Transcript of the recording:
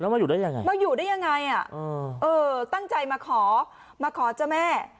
มาอยู่ได้ยังไงตั้งใจมาขอมาขอเจ้าแม่